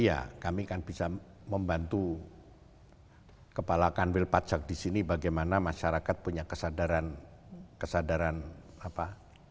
iya kami kan bisa membantu kepala kanwil pajak di sini bagaimana masyarakat punya kesadaran apa